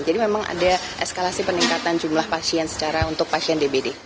jadi memang ada eskalasi peningkatan jumlah pasien secara untuk pasien dbd